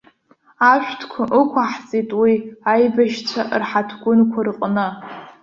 Ашәҭқәа ықәаҳҵеит уи аибашьцәа рҳаҭгәынқәа рҟны.